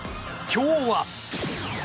今日は？